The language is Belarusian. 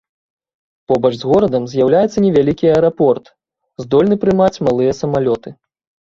Побач з горадам з'яўляецца невялікі аэрапорт, здольны прымаць малыя самалёты.